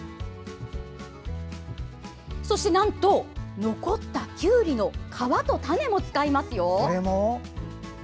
そして、なんと、残ったきゅうりの種と皮も使いますよ！